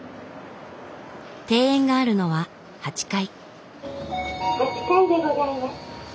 庭園があるのは８階。